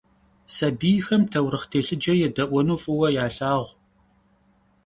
Sabiyxem taurıxh têlhıce yêde'uenu f'ıue yalhağu.